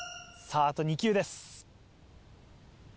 あと２球です。